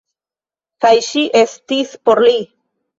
Kaj Ŝi estis por Li.